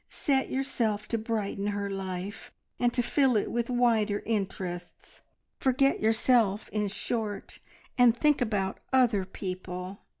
Set yourself to brighten her life, and to fill it with wider interests; forget yourself, in short, and think about other people.